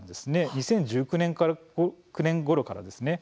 ２０１９年ごろからですね。